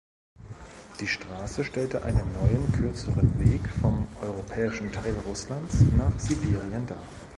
Die Straße stellte einen neuen, kürzeren Weg vom europäischen Teil Russlands nach Sibirien dar.